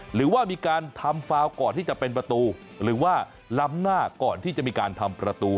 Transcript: หรือว่ามีการทำฟาวก่อนที่จะเป็นประตูหรือว่าล้ำหน้าก่อนที่จะมีการทำประตู